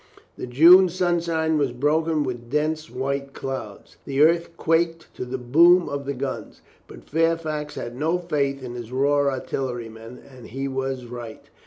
The June sunshine was broken with dense white clouds. The earth quaked to the boom of the guns. But Fairfax had no faith in his raw artillerymen, and he was right.